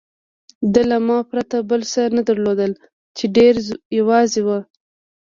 ده له ما پرته بل څه نه درلودل، چې ډېر یوازې و.